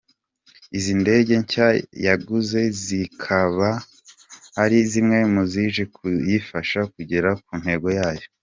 Izi ndege nshya yaguze zikaba ari zimwe muzije kuyifasha kugera ku ntego yayo.